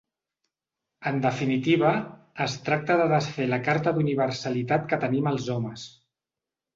En definitiva, es tracta de desfer la carta d’universalitat que tenim els homes.